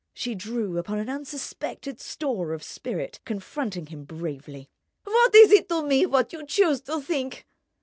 She drew upon an unsuspected store of spirit, confronting him bravely. "What is it to me, what you choose to think?"